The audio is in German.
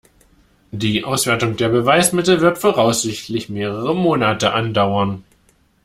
Die Auswertung der Beweismittel wird voraussichtlich mehrere Monate andauern.